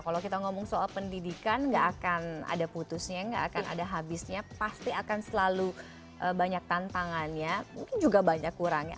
kalau kita ngomong soal pendidikan nggak akan ada putusnya nggak akan ada habisnya pasti akan selalu banyak tantangannya mungkin juga banyak kurangnya